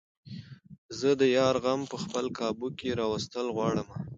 زۀ د يار غم په خپل قابو کښې راوستل غواړمه